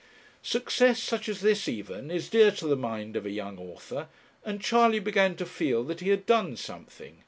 Success, such as this even, is dear to the mind of a young author, and Charley began to feel that he had done something.